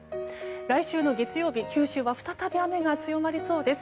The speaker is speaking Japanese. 来週の月曜日、九州は再び雨が強まりそうです。